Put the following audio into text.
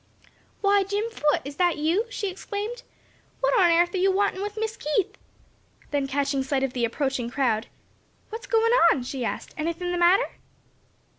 "Why, Jim Foote, is that you?" she exclaimed. "What on airth are you a wantin' with Miss Keith?" then catching sight of the approaching crowd, "What's goin' on?" she asked, "anything the matter?"